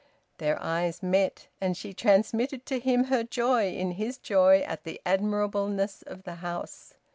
Their eyes met, and she transmitted to him her joy in his joy at the admirableness of the house.